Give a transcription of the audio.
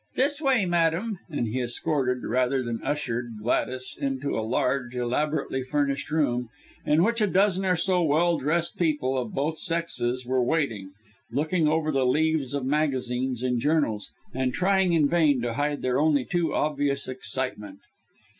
This way, madam!" and he escorted, rather than ushered, Gladys into a large, elaborately furnished room, in which a dozen or so well dressed people of both sexes were waiting, looking over the leaves of magazines and journals, and trying in vain to hide their only too obvious excitement.